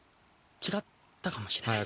違ったかもしれない。